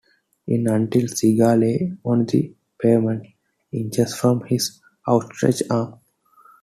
An unlit cigar lay on the pavement, inches from his outstretched arm.